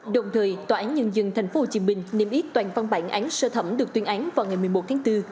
đồng thời tòa án nhân dân tp hcm niêm yết toàn phân bản án sơ thẩm được tuyên án vào ngày một mươi một tháng bốn